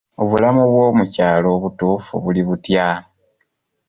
Obulamu bw'omukyalo obutuufu buli butya?